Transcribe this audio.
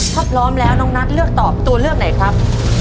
ถ้าพร้อมแล้วน้องนัทเลือกตอบตัวเลือกไหนครับ